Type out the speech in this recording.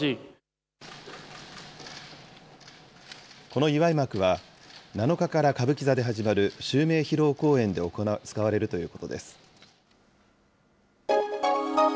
この祝幕は、７日から歌舞伎座で始まる襲名披露公演で使われるということです。